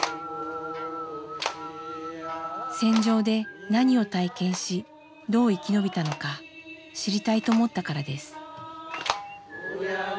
戦場で何を体験しどう生き延びたのか知りたいと思ったからです。